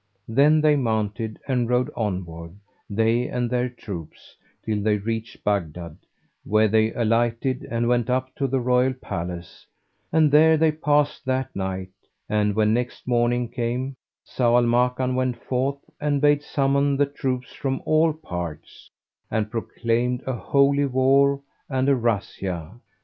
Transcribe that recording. Then they mounted and rode onward, they and their troops, till they reached Baghdad, where they alighted and went up to the royal palace and there they passed that night, and when next morning came, Zau al Makan went forth and bade summon the troops from all parts, and proclaimed a Holy War and a Razzia.